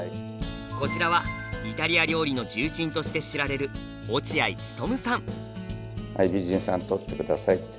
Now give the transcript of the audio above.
こちらはイタリア料理の重鎮として知られるはい美人さん撮って下さい。